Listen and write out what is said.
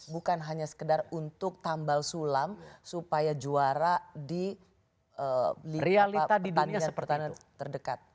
bukan hanya sekedar untuk tambal sulam supaya juara di pertandingan pertandingan terdekat